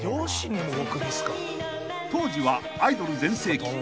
［当時はアイドル全盛期］